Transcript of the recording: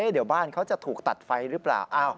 เดี๋ยวบ้านเขาจะถูกตัดไฟหรือเปล่า